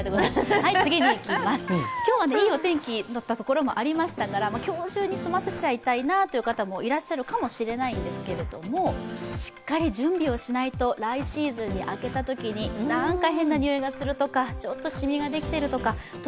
今日はいいお天気だった所もありましたから、今日中に済ませちゃいたい方もいらっしゃるかもしれないんですけれども、しっかり準備をしないと来シーズンに開けたときになんか変なにおいがするとか、ちょっとしみができているとか。